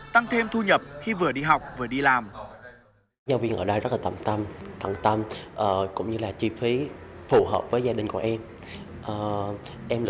tăng thêm thu nhập khi vừa đi học vừa đi làm